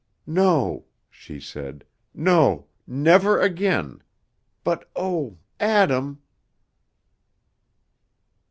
"No," she said. "No, never again, but, oh, Adam!"